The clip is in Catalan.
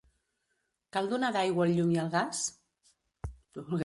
Cal donar d'aigua el llum i el gas?